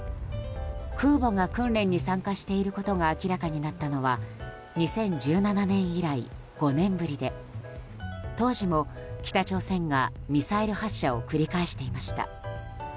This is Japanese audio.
空母が訓練に参加していることが明らかになったのは２０１７年以来、５年ぶりで当時も北朝鮮がミサイル発射を繰り返していました。